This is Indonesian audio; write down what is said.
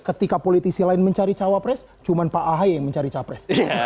ketika politisi lain mencari cawapres cuma pak ahy yang mencari capres